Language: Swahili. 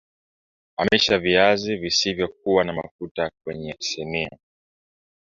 Amisha viazi visivyokua na mafuta kwenye sinia